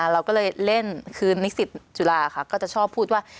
เราก็เลยเล่นคือนิสิตจุฬาค่ะก็จะชอบพูดว่า